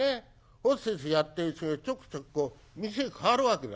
ホステスやってる人ちょくちょくこう店変わるわけだね。